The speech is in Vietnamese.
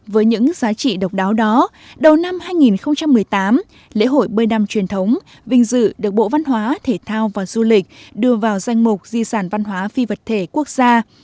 với những giá trị độc đáo đó đầu năm hai nghìn một mươi tám lễ hội bơi nam truyền thống vinh dự được bộ văn hóa thể thao và du lịch đưa vào danh mục di sản văn hóa phi vật thể quốc gia